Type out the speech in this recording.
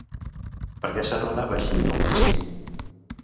Per què s'anomenava així, el municipi?